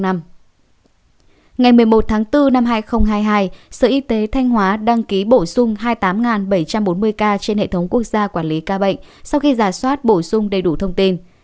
ngày một mươi một tháng bốn năm hai nghìn hai mươi hai sở y tế thanh hóa đăng ký bổ sung hai mươi tám bảy trăm bốn mươi ca trên hệ thống quốc gia quản lý ca bệnh sau khi giả soát bổ sung đầy đủ thông tin